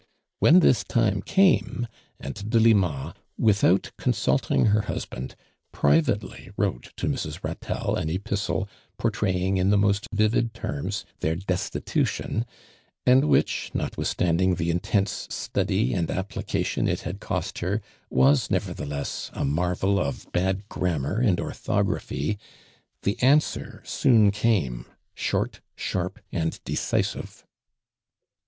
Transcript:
When tiiis time came, and Delima, without consulting her husband, privately wrote to Mrs. liiitelle an epistle i)ortraying in tliw most vivid terms their destitution, and which, notwithstand ing the intense study and application it had cost her, was, nevertheless, amai vel of bad grannnai' and orthography, the answer soon came, short, sharp ami tlecisivo.